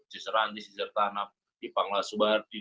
cesarandis cisertanap ipang lasubar